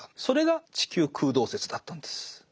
それが地球空洞説だったんです。